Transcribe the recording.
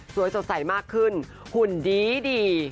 สวยสดใสมากขึ้นหุ่นดี